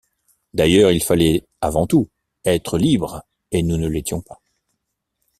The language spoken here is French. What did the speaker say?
D’ailleurs, il fallait, avant tout, être libres, et nous ne l’étions pas.